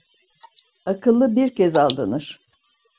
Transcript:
Akıllı bir kez aldanır.